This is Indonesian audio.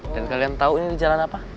dan kalian tau ini di jalan apa